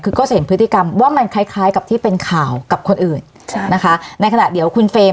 คือก็จะเห็นพฤติกรรมว่ามันคล้ายคล้ายกับที่เป็นข่าวกับคนอื่นใช่นะคะในขณะเดี๋ยวคุณเฟรม